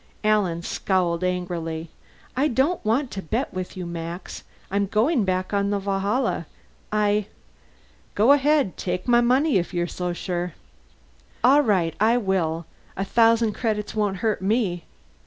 Alan scowled angrily. "I don't want to bet with you, Max. I'm going back on the Valhalla. I " "Go ahead. Take my money, if you're so sure." "All right, I will! A thousand credits won't hurt me!"